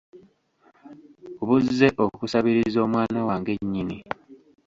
Buzze okusabiriza omwana wange nnyini!